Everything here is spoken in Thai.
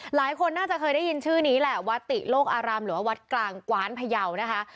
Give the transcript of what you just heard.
หลายคนน่าจะเคยได้ยินชื่อนี้แหละวัดติโลกอารามหรือว่าวัดกลางกว้านพยาวนะคะ